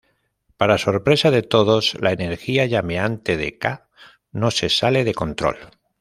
Para sorpresa de todos, la energía llameante de K' no se sale de control.